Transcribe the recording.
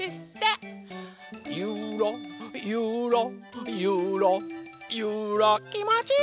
「ゆらゆらゆらゆら」きもちいい。